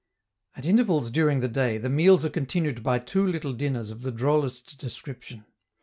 At intervals during the day the meals are continued by two little dinners of the drollest description.